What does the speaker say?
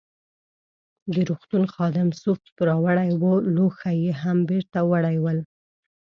د روغتون خادم سوپ راوړی وو، لوښي يې هم بیرته وړي ول.